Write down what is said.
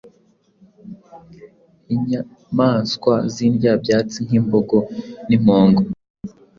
inyamaswa z’indyabyatsi nk’imbogo n’impongo